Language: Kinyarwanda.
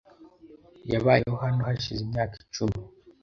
Yabayeho hano hashize imyaka icumi.